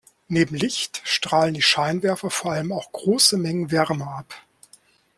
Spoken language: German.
Neben Licht strahlen die Scheinwerfer vor allem auch große Mengen Wärme ab.